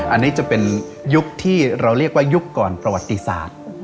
อันนี้จะเป็นยุคที่เราเรียกว่ายุคก่อนประวัติศาสตร์